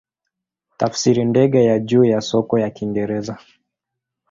Tafsiri ndege ya juu ya soka ya Kiingereza.